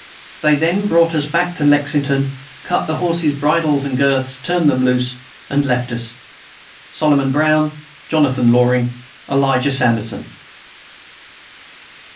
They then brought us back to Lexington, cut the horses' bridles and girths, turned them loose, and then left us. "SOLOMON BROWN, "JONATHAN LORING, ELIJAH SANDERSON."